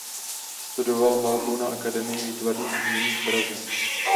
Studoval malbu na Akademii výtvarných umění v Praze.